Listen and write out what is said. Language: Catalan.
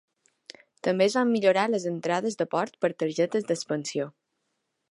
També es van millorar les entrades de port per targetes d'expansió.